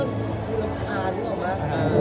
น้ำคาญออกมา